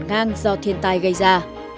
ngang do thiên tai gây ra